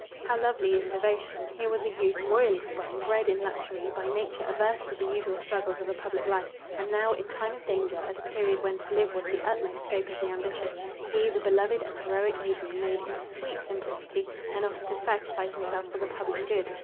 How lovely is devotion! Here was a youth, royally sprung, bred in luxury, by nature averse to the usual struggles of a public life, and now, in time of danger, at a period when to live was the utmost scope of the ambitious, he, the beloved and heroic Adrian, made, in sweet simplicity, an offer to sacrifice himself for the public good.